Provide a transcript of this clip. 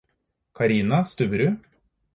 Karina Stubberud